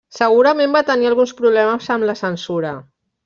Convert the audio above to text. Segurament va tenir alguns problemes amb la censura.